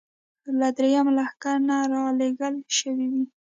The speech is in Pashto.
له درېیم لښکر نه را لېږل شوې وې.